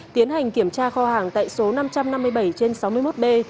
tiến hành kiểm tra kho hàng tại số năm trăm năm mươi bảy trên sáu mươi một b